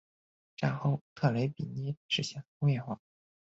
战后特雷比涅实现了工业化。